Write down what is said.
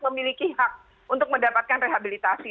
memiliki hak untuk mendapatkan rehabilitasi